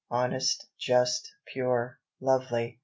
honest,... just,... pure,... lovely